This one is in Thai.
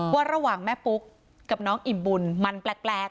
ว่าระหว่างแม่ปุ๊กกับน้องอิ่มบุญมันแปลก